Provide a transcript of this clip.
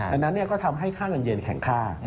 อันนั้นก็ทำให้ค่าเงินเย็นแข็งค่า